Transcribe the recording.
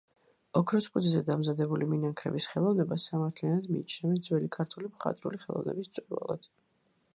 ოქროს ფუძეზე დამზადებული მინანქრების ხელოვნებას სამართლიანად მიიჩნევენ ძველი ქართული მხატვრული ხელოვნების მწვერვალად.